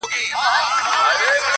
غټ منګول تېره مشوکه په کارېږي!!!!!